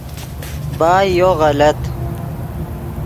بائے یو غلط